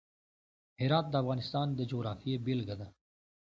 هرات د افغانستان د جغرافیې بېلګه ده.